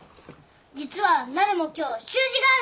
実はなるも今日習字があるんだ。